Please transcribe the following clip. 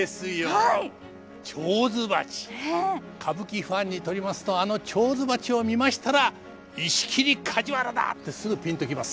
歌舞伎ファンにとりますとあの手水鉢を見ましたら石切梶原だってすぐピンと来ます。